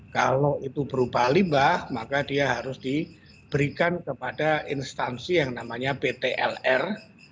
kalau itu berupa limbah maka dia harus diberikan kepada instansi yang namanya ptlr